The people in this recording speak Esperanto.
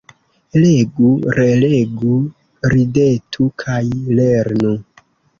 Legu, relegu, ridetu kaj lernu.